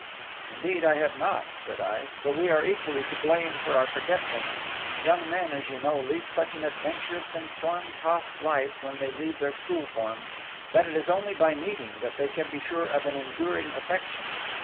"Indeed, I have not," said I. "But we are equally to blame for our forgetfulness. Young men, as you know, lead such an adventurous and storm tossed life when they leave their school forms, that it is only by meeting that they can be sure of an enduring affection.